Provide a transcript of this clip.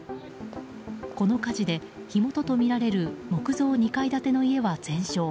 この火事で、火元とみられる木造２階建ての家は全焼。